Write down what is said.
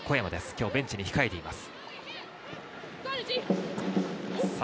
今日ベンチに控えています。